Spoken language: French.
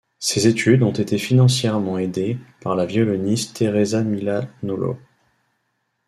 Ses études ont été financièrement aidées par la violoniste Teresa Milanollo.